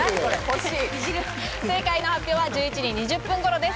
正解の発表は１１時２０分頃です。